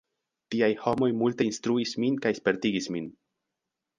Tiaj homoj multe instruis min kaj spertigis min.